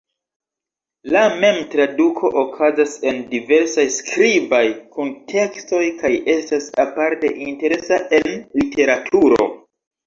La mem-traduko okazas en diversaj skribaj kuntekstoj kaj estas aparte interesa en literaturo.